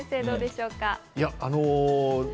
どうでしょうか？